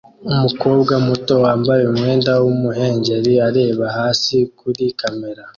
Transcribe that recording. Umukobwa muto wambaye umwenda w'umuhengeri areba hasi kuri kamera